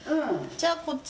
じゃあこっち